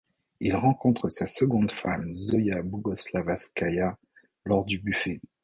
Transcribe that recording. Il rencontre sa seconde femme Zoïa Bogouslavaskaïa lors du buffet.